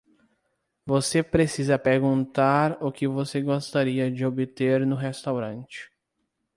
Você precisa perguntar o que você gostaria de obter no restaurante.